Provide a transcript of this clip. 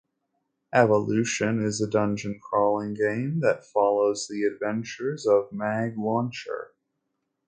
"Evolution" is a dungeon crawling game that follows the adventures of Mag Launcher.